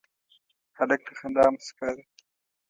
هلک د خندا موسکا ده.